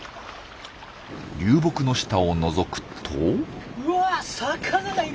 流木の下をのぞくと。